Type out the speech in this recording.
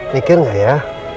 pikir gak ya